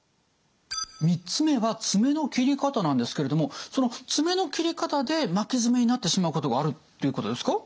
３つ目は爪の切り方なんですけれどもその爪の切り方で巻き爪になってしまうことがあるっていうことですか？